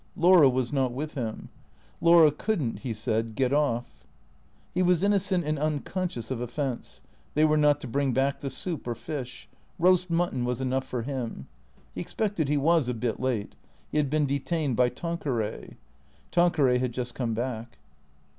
Laura was not with him. Laura could n't, he said, " get off." He was innocent and unconscious of offence. They were not to bring back the soup or fish. Roast mutton was enough for him. He expected he was a bit late. He had been detained by Tanqueray. Tanqueray had just come back.